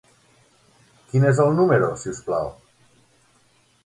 Quin és el número, si us plau?